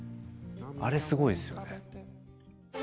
あれすごいっすよね。